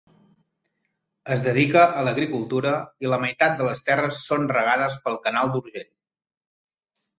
Es dedica a l'agricultura i la meitat de les terres són regades pel Canal d'Urgell.